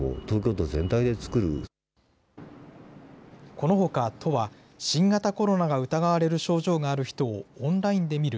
このほか都は、新型コロナが疑われる症状がある人をオンラインで診る